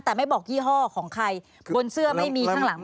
แต่ไม่บอกยี่ห้อของใครบนเสื้อไม่มีข้างหลัง